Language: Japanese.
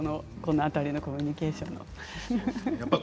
この辺りのコミュニケーションは。